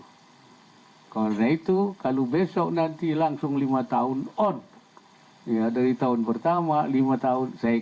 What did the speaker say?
hai karena itu kalau besok nanti langsung lima tahun on ya dari tahun pertama lima tahun saya